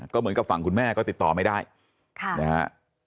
ก็เหมือนกับฝั่งคุณแม่ก็ติดต่อไม่ได้ค่ะนะฮะ